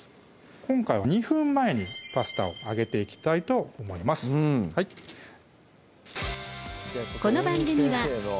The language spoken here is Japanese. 今回は２分前にパスタをあげていきたいと思います